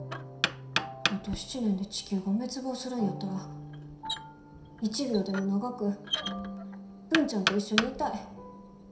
あと７年で地球が滅亡するんやったら一秒でも長く文ちゃんと一緒にいたい。